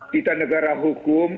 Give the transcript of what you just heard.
kita negara hukum